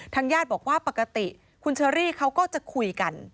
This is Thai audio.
ญาติบอกว่าปกติคุณเชอรี่เขาก็จะคุยกัน